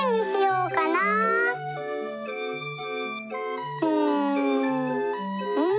うんうん。